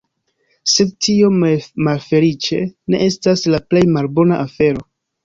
Sed tio, malfeliĉe, ne estas la plej malbona afero.